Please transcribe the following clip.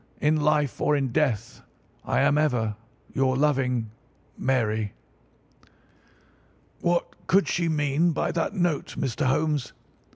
In life or in death, I am ever your loving, "'MARY.' "What could she mean by that note, Mr. Holmes?